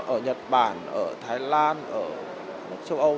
ở nhật bản ở thái lan ở các nước châu âu